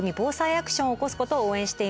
アクションを起こすことを応援しています。